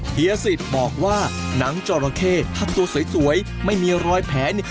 เฮียสิตบอกว่าหนังจอแร่แค้นถ้าตัวสวยไม่มีรอยแผน